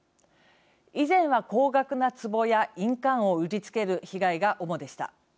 以前は、高額なつぼや印鑑を売りつける被害が主でした。